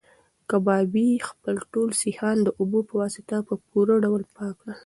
کبابي خپل ټول سیخان د اوبو په واسطه په پوره ډول پاک کړل.